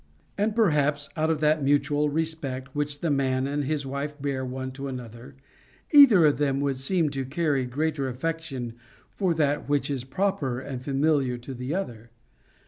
And perhaps, out of that mutual respect which the man and his wife bear one to another, either of them would seem to carry greater affection for that which is proper and familiar to the other.